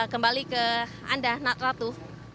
kembali ke anda ratu